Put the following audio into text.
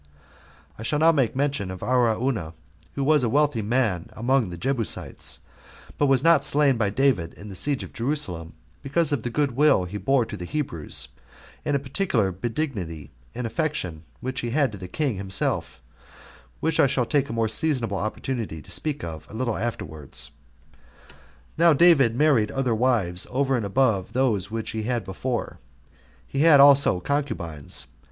3. I shall now make mention of Araunah, who was a wealthy man among the Jebusites, but was not slain by David in the siege of Jerusalem, because of the good will he bore to the Hebrews, and a particular benignity and affection which he had to the king himself; which I shall take a more seasonable opportunity to speak of a little afterwards. Now David married other wives over and above those which he had before: he had also concubines.